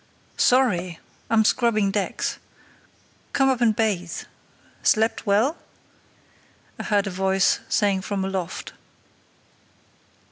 "Sorry! I'm scrubbing decks. Come up and bathe. Slept well?" I heard a voice saying from aloft.